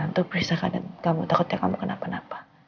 untuk periksakan kamu takutnya kamu kenapa napa